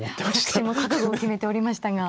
私も覚悟を決めておりましたが。